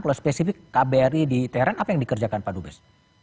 kalau spesifik kbri di teren apa yang dikerjakan pak dubes